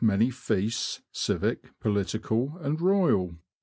many feasts, civic, political, and Royal.